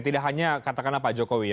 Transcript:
tidak hanya katakan apa pak jokowi ya